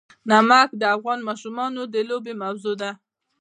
نمک د افغان ماشومانو د لوبو موضوع ده.